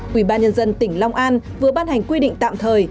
quỹ ba nhân dân tỉnh long an vừa ban hành quy định tạm thời